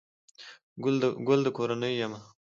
گل دکورنۍ يمه